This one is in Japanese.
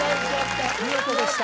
見事でした